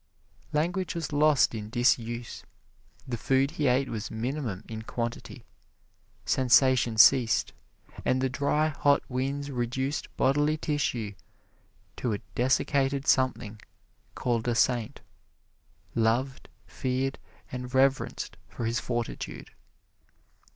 Language was lost in disuse. The food he ate was minimum in quantity; sensation ceased, and the dry, hot winds reduced bodily tissue to a dessicated something called a saint loved, feared and reverenced for his fortitude.